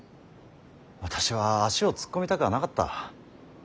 私は足を突っ込みたくはなかった。